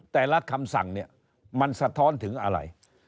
แต่ละคำสั่งเนี่ยมันสะท้อนถึงอะไร